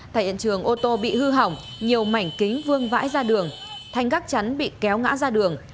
tại hiện trường ô tô bị hư hỏng nhiều mảnh kính vương vãi ra đường thanh gác chắn bị kéo ngã ra đường